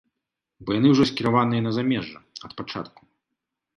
Бо яны ужо скіраваныя на замежжа, ад пачатку.